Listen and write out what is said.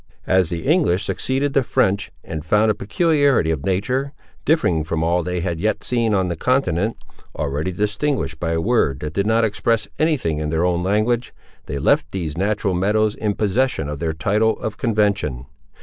As the English succeeded the French, and found a peculiarity of nature, differing from all they had yet seen on the continent, already distinguished by a word that did not express any thing in their own language, they left these natural meadows in possession of their title of convention.